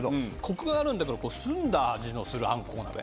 コクがあるんだけど澄んだ味のするあんこう鍋。